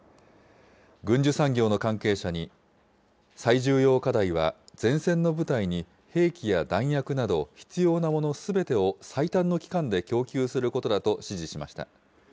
軍需産業の関係者に、最重要課題は前線の部隊に兵器や弾薬など必要なものすべてを最短の期間で供給することだと指示しました。